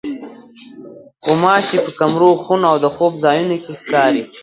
غوماشې په کمرو، خونو او د خوب ځایونو کې ښکاري.